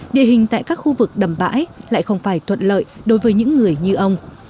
địa hình tại các khu vực đầm bãi lại không phải thuận lợi đối với những người như ông